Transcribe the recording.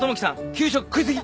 給食食い過ぎ。